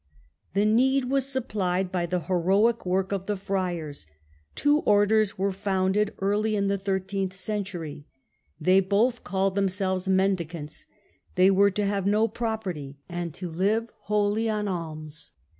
The need was supplied by the heroic work of the Friars. Two orders were founded early in the thirteenth century. The coming They both called themselves mendicants; of the Friars, they were to have no property, and to live 1220 1224, wholly on alms.